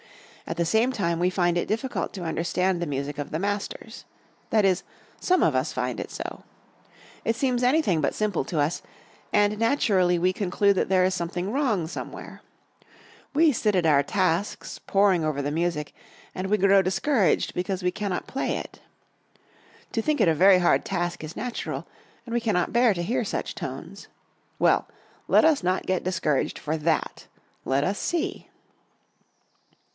At the same time we find it difficult to understand the music of the masters. That is, some of us find it so. It seems anything but simple to us; and naturally we conclude that there is something wrong somewhere. We sit at our tasks, poring over the music, and we grow discouraged because we cannot play it. To think it a very hard task is natural, and we cannot bear to hear such tones. Well, let us not get discouraged for that; let us see!